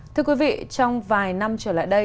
thưa quý vị trong vài năm trở lại đây